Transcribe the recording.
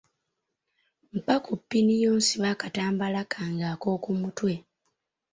Mpa ku ppini yo nsibe akatambaala kange ak'oku mutwe